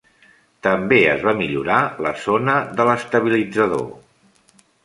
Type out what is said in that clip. També es va millorar la zona de l'estabilitzador.